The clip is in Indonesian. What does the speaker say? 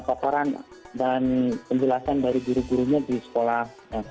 paparan dan penjelasan dari guru gurunya di sekolah